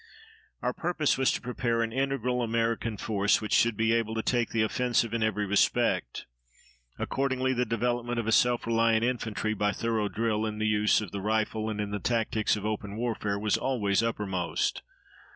Our purpose was to prepare an integral American force which should be able to take the offensive in every respect. Accordingly, the development of a self reliant infantry by thorough drill in the use of the rifle and in the tactics of open warfare was always uppermost.